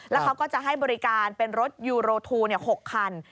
แล้วเขาก็จะให้บริการเป็นรถยูโรทู๖คัน